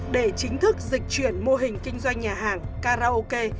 để chính thức dịch chuyển mô hình kinh doanh nhà hàng karaoke